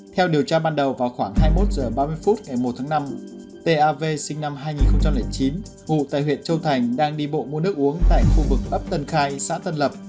theo điều tra ban đầu vào khoảng hai mươi một h ba mươi phút ngày một tháng năm tav sinh năm hai nghìn chín ngụ tại huyện châu thành đang đi bộ mua nước uống tại khu vực ấp tân khai xã tân lập